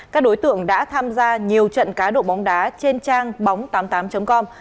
các đối tượng đã tham gia nhiều trận cá độ bóng đá trên trang bóng tám mươi tám com